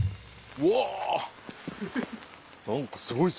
うわ